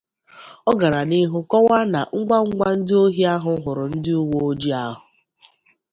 Ọ gara n'ihu kọwaa na ngwangwa ndị ohi ahụ hụrụ ndị uweojii ahụ